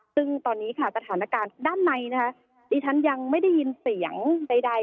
ซึ่งตอนนี้ค่ะสถานการณ์ด้านในนะคะดิฉันยังไม่ได้ยินเสียงใด